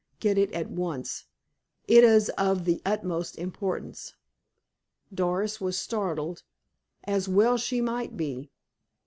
Get it at once. It is of the utmost importance." Doris was startled, as well she might be.